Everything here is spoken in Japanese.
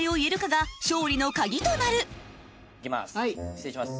失礼します。